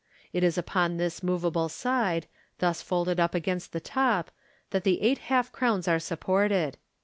It is upon this moveable side, thus folded up against the top, that the eight half crowns are supported.